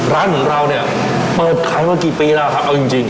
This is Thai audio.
ร้านของเราเนี่ยเปิดขายมากี่ปีแล้วครับเอาจริง